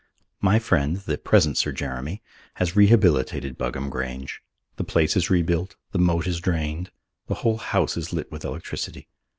My friend, the present Sir Jeremy, has rehabilitated Buggam Grange. The place is rebuilt. The moat is drained. The whole house is lit with electricity.